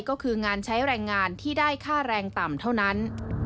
ก็คืองานใช้แรงงานที่ได้ค่าแรงต่ำเท่านั้น